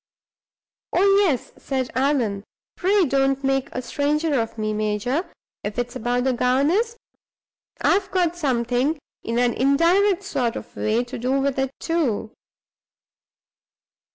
"Oh, yes!" said Allan. "Pray, don't make a stranger of me, major! If it's about the governess, I've got something (in an indirect sort of way) to do with it too."